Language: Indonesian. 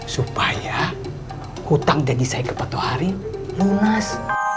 supaya hutang janji saya ke pak tohari lunas